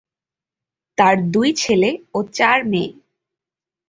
তার দুই ছেলে ও চার মেয়ে।